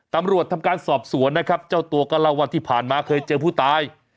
ตำรวจทำการสอบสวนนะครับเจ้าตัวก็เล่าว่าที่ผ่านมาเคยเจอผู้ตาย